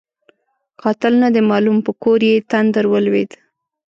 قاتل نه دی معلوم؛ په کور یې تندر ولوېد.